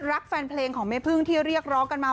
รักแฟนเพลงของแม่พึ่งที่เรียกร้องกันมา